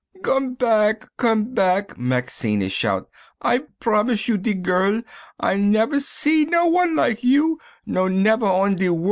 "Come back, come back," Maxime is shout "I promise you de girl, I never see no wan lak you no never on de worl'!